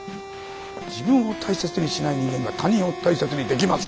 自分を大切にしない人間が他人を大切にできますか？